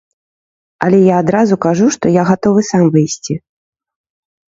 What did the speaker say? Але я адразу кажу, што я гатовы сам выйсці.